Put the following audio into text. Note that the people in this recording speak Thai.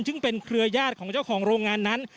ซึ่งเป็นเครือญาติของเจ้าของโรงงานนั้น